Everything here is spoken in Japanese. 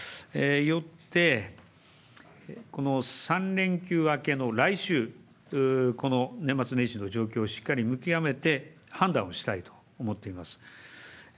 よって、この３連休明けの来週、この年末年始の状況をしっかり見極めて判断をしたいと思っています。